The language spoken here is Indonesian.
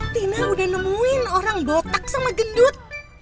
tina udah nemuin orang gotak sama gendut